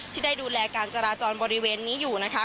ที่ได้ดูแลการจราจรบริเวณนี้อยู่นะคะ